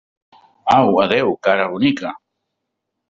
Au, adéu, cara bonica!